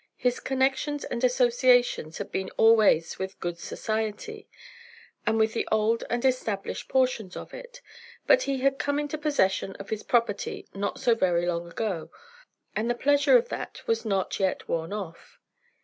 His connections and associations had been always with good society and with the old and established portions of it; but he had come into possession of his property not so very long ago, and the pleasure of that was not yet worn off.